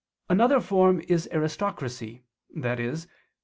_ Another form is aristocracy, i.e.